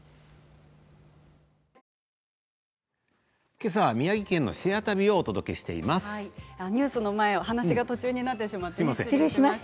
けさは宮城県の「シェア旅」をお届けしています。